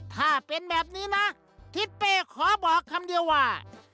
ถ้าเป็นแบบนี้นะทิศเป้ขอบอกคำเดียวว่า